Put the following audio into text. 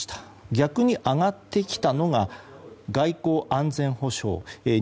逆に上がってきたのが外交・安全保障。